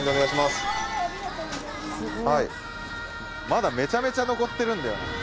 まだめちゃめちゃ残ってるんだよな。